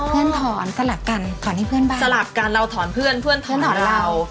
เพื่อนถอนสลับกันถอนให้เพื่อนบ้านสลับกันเราถอนเพื่อนเพื่อนเขาถอนเรา